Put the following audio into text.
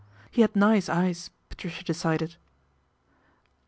He had nice eyes Patricia decided.